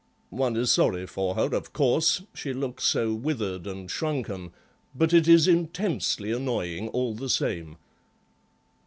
One is sorry for her, of course, she looks so withered and shrunken, but it is intensely annoying all the same."